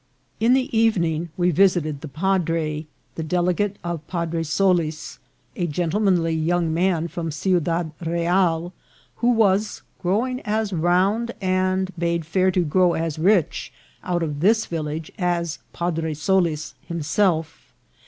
In the evening we visited the padre, the delegate of Padre Solis, a gentlemanly young man from Ciudad Real, who was growing as round, and bade fair to grow as rich out of this village as Padre Solis himself.